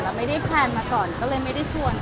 แล้วไม่ได้แพลนมาก่อนก็เลยไม่ได้ชวน